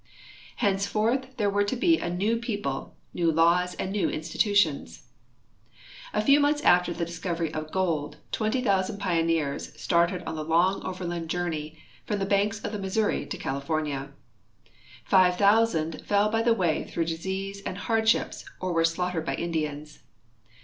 Henceforth there were to be a new people, new laws, and new institutions. A few months after the discov ery of gold 20,000 ])ioneers started on the long overland journey from the banks of the Missouri to California. Five thousand fell by the way through disease and hardships or were slaughtered by Indians.